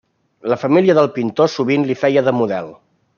La família del pintor sovint li feia de model.